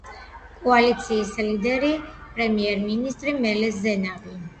კოალიციის ლიდერია პრემიერ-მინისტრი მელეს ზენავი.